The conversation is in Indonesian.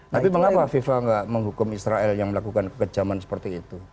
tapi mengapa fifa tidak menghukum israel yang melakukan kekejaman seperti itu